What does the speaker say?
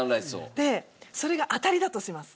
でそれが当たりだとします。